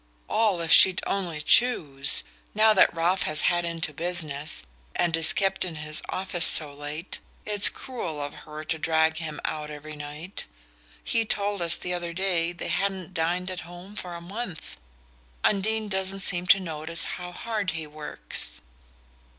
"All if she'd only choose! Now that Ralph has had into business, and is kept in his office so late, it's cruel of her to drag him out every night. He told us the other day they hadn't dined at home for a month. Undine doesn't seem to notice how hard he works."